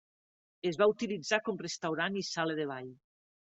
Es va utilitzar com restaurant i sala de ball.